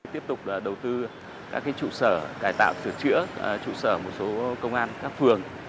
tiếp tục đầu tư các trụ sở cải tạo sửa chữa trụ sở một số công an các phường